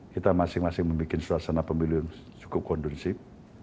kita masing masing membuat suasana pemilihan yang cukup kondensif